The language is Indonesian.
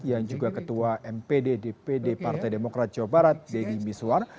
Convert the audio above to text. yang juga ketua mpd dpd partai demokrat jawa barat deddy miswar